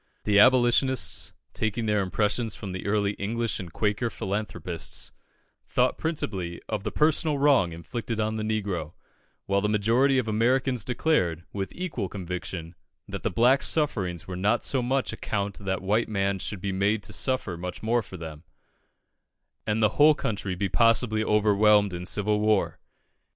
The Abolitionists, taking their impressions from the early English and Quaker philanthropists, thought principally of the personal wrong inflicted on the negro; while the majority of Americans declared, with equal conviction, that the black's sufferings were not of so much account that white men should be made to suffer much more for them, and the whole country be possibly overwhelmed in civil war.